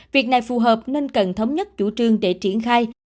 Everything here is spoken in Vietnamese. việc này phù hợp nên cần thống nhất chủ trương để triển khai